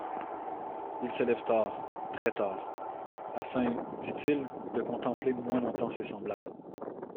Il se lève tard, très tard, afin, dit-il, de contempler moins longtemps ses semblables…